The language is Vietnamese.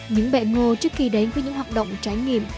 những bẹ ngô trước khi đến với những hoạt động trải nghiệm